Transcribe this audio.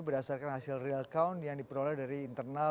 berdasarkan hasil real count yang diperoleh dari internal